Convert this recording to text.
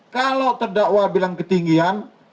kalau terdakwa bilang ketinggian